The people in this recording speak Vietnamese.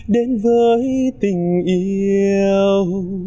đến với tình yêu